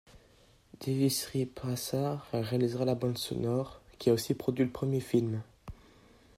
Devi Sri Prasad réalisera la bande sonore, qui a aussi produit le premier film.